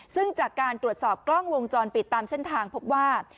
ซึ่งจากการตรวจสอบกล้องวงจรปิดตามเส้นทางพบว่า